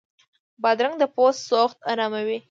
بادرنګ د پوستکي سوخت اراموي.